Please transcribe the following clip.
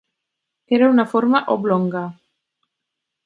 Era una forma oblonga.